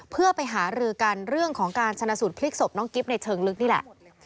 เพื่อไปหารือกันเรื่องของการชนะสูตรพลิกศพน้องกิ๊บในเชิงลึกนี่แหละ